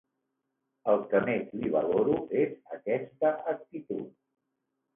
El que més li valoro és aquesta actitud.